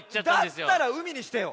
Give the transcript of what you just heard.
だったら「うみ」にしてよ。